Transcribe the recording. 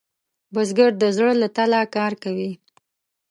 بزګر د زړۀ له تله کار کوي